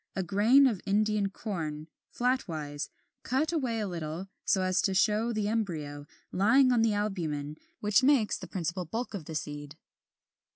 A grain of Indian Corn, flatwise, cut away a little, so as to show the embryo, lying on the albumen which makes the principal bulk of the seed.